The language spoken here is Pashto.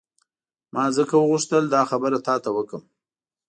ما ځکه وغوښتل دا خبره تا ته وکړم.